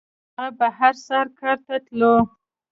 هغه به هر سهار کار ته تلو.